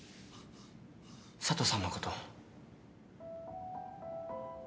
佐都さんのこと。